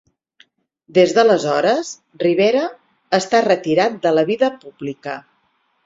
Des d'aleshores Rivera està retirat de la vida pública.